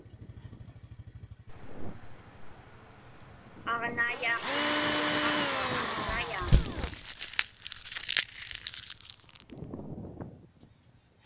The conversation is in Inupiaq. Ii, aġnaiyaaq immuktułhaaqtuaq aŋutaiyaamiñ.